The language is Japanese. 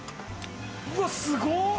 うわすごっ！